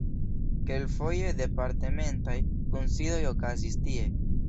Kelkfoje departementaj kunsidoj okazis tie.